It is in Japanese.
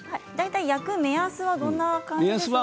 焼く目安はどんな感じですか。